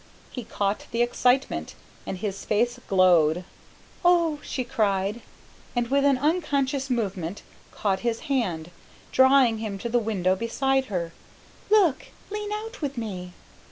He caught the excitement, and his faced glowed. "Oh," she cried, and with an unconscious movement caught his hand, drawing him to the window beside her. "Look! lean out with me!"